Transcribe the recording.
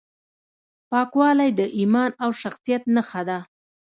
پاکوالی د ایمان او شخصیت نښه ده.